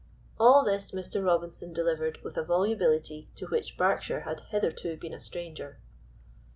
All this Mr. Robinson delivered with a volubility to which Berkshire had hitherto been a stranger.